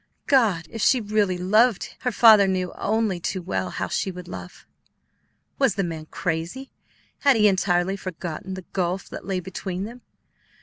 God! If she really loved, her father knew only too well how she would love. Was the man crazy? Had he entirely forgotten the gulf that lay between them?